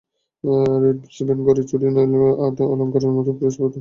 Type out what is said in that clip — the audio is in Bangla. রিস্টব্যান্ড ঘড়ি, চুড়ি, নেইল আর্ট, অলংকারের মতো ব্রোচ পরতে দেখা গেছে মেয়েদের।